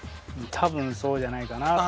多分そうじゃないかなって。